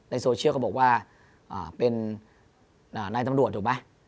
โซเชียลก็บอกว่าเป็นนายตำรวจถูกไหม